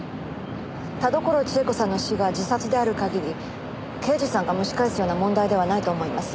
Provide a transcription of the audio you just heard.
田所千枝子さんの死が自殺である限り刑事さんが蒸し返すような問題ではないと思います。